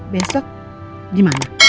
besok di mana